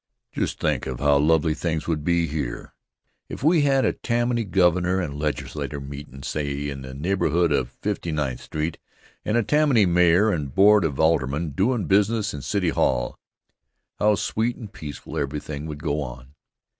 Just think how lovely things would be here if we had a Tammany Governor and Legislature meetin', say in the neighborhood of Fifty ninth Street, and a Tammany Mayor and Board of Aldermen doin' business in City Hall! How sweet and peaceful everything would go on!